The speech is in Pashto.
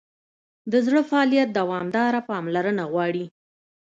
د زړه فعالیت دوامداره پاملرنه غواړي.